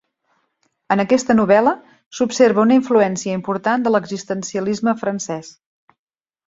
En aquesta novel·la s'observa una influència important de l'existencialisme francès.